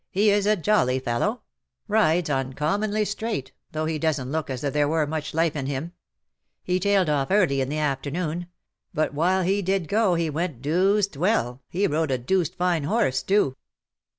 He is a jolly fellow ; rides uncommonly straight, though he doesn 't look as if there were much life in him. He tailed off early in the afternoon ; but while he did go, he went dooced well. He rode a dooced fine horse, too.''